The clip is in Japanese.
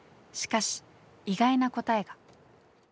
しかし意外な答えが。